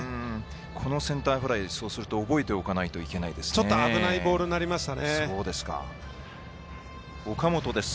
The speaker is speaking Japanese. このセンターフライを覚えておかないといけないですね。